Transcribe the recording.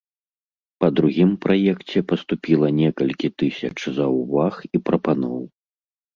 Па другім праекце паступіла некалькі тысяч заўваг і прапаноў.